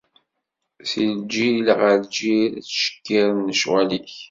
Si lǧil ɣer lǧil, ad ttcekkiren lecɣal-ik.